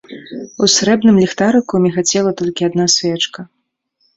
У срэбным ліхтарыку мігацела толькі адна свечка.